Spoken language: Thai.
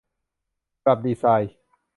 ปรับดีไซน์